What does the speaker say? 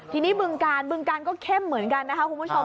ทีนี้บึงกาลบึงการก็เข้มเหมือนกันนะคะคุณผู้ชม